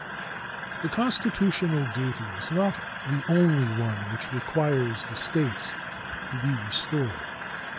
The constitutional duty is not the only one which requires the States to be restored.